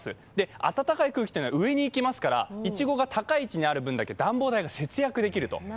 暖かい空気は上に行きますからいちごが高い位置にある分だけ暖房代が節約できると。